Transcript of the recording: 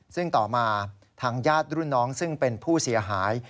ซึ่งต่อมาทางญาติรุ่นน้องซึ่งเป็นผู้เสียหาย